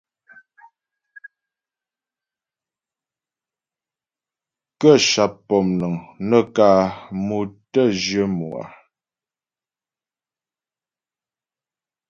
Kə́ sháp pɔmnəŋ nə kǎ mo tə́ jyə mo á.